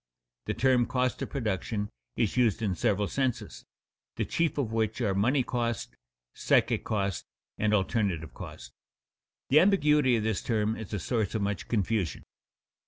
_The term cost of production is used in several senses, the chief of which are money cost, psychic cost, and alternative cost._ The ambiguity of this term is a source of much confusion.